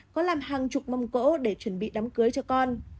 có làm hàng chục mông gỗ để chuẩn bị đám cưới cho con